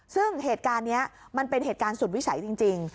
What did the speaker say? ซึ่งเหตุการณ์นี้มันเป็นเหตุการณ์สุดวิสัยจริง